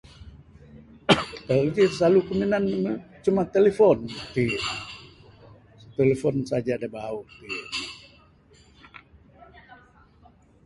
Teknologi da silalu ku minan ne cuma telephone ti. Telephone saja da bauh iti ne.